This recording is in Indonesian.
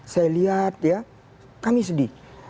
saya lihat ya kami sedih